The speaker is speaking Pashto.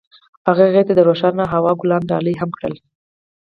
هغه هغې ته د روښانه هوا ګلان ډالۍ هم کړل.